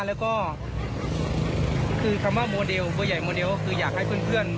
แล้วก็คือคำว่าโมเดลโมเดลคืออยากให้เพื่อนเพื่อน